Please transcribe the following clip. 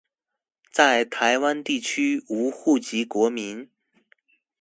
在臺灣地區無戶籍國民